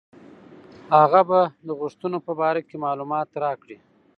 هغه به د غوښتنو په باره کې معلومات راکړي.